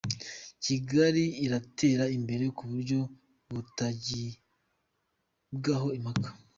Kigali iratera imbere ku buryo butagibwaho impaka.